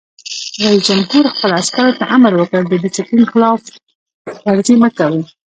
رئیس جمهور خپلو عسکرو ته امر وکړ؛ د ډسپلین خلاف ورزي مه کوئ!